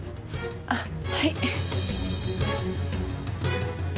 あっはい。